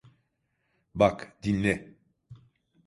Bak, dinle…